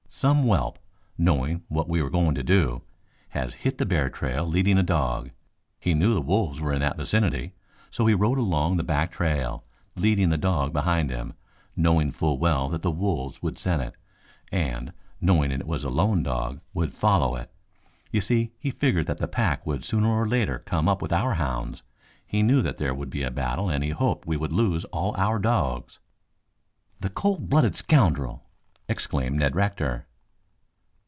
Some whelp, knowing what we were going to do, has hit the bear trail leading a dog. He knew the wolves were in that vicinity, so he rode along the back trail, leading the dog behind him, knowing full well that the wolves would scent it, and, knowing it was a lone dog, would follow it. You see he figured that the pack would sooner or later come up with our hounds. He knew that there would be a battle and he hoped we would lose all our dogs." "The cold blooded scoundrel!" exclaimed Ned Rector.